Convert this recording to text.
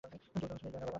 জো Johnson এর ইয়ারাম্যান।